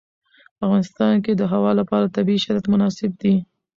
په افغانستان کې د هوا لپاره طبیعي شرایط مناسب دي.